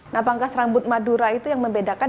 nah pangkas rambut madura itu yang membedakan